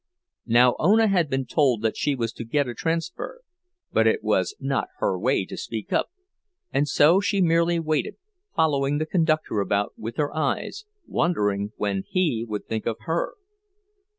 Now Ona had been told that she was to get a transfer; but it was not her way to speak up, and so she merely waited, following the conductor about with her eyes, wondering when he would think of her.